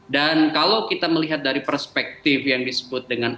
dan kalau kita melihat dari perspektif yang disebut dengan